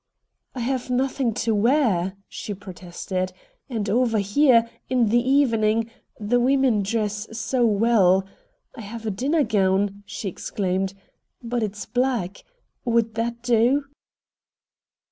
"I have nothing to wear," she protested, "and over here, in the evening, the women dress so well. I have a dinner gown," she exclaimed, "but it's black. Would that do?"